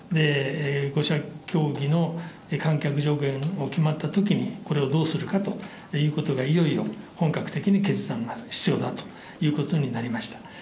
５者協議の観客上限が決まったときに、これをどうするかということが、いよいよ本格的に決断が必要だということになりました。